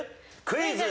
クイズ！